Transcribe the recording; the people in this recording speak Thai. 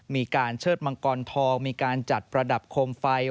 มีการเชิดมังกรทองมีการจัดประดับโคมไฟ